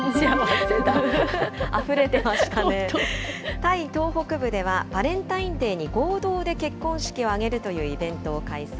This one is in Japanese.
タイ東北部では、バレンタインデーに合同で結婚式を挙げるというイベントを開催。